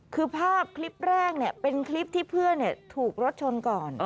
คือภาพคลิปแรกเป็นคลิปที่เพื่อนถูกรถชนก่อน